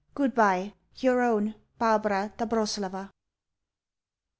Goodbye Your own, BARBARA DOBROSELOVA.